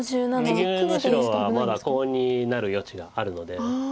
右上の白はまだコウになる余地があるので。